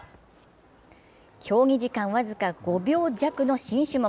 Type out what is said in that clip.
競技時間僅か５秒弱の新種目。